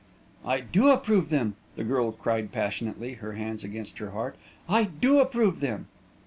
"I do approve them" the girl cried passionately, her hands against her heart. "I do approve them!"